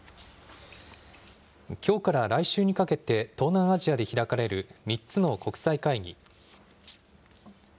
きょうから来週にかけて、東南アジアで開かれる３つの国際会議。